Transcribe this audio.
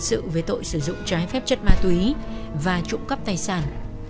sự với tội sử dụng trái phép chất ma túy và trụng cấp tài sản